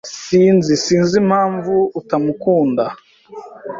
Sinzi Sinzi impamvu utamukunda.